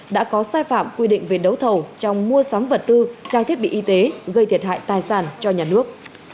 đã có sai phạm quy định về đấu thầu trong mua sắm vật tư trang thiết bị y tế gây thiệt hại tài sản cho nhà nước